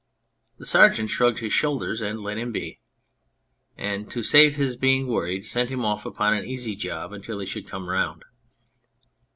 The Sergeant shrugged his shoulders and let him be, and to save his being worried sent him off upon an easy job until he should come round.